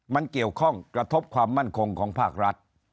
มันเกี่ยวข้องกระทบความมั่นคงของภาครัฐ